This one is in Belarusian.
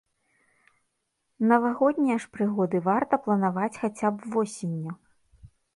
Навагоднія ж прыгоды варта планаваць хаця б восенню.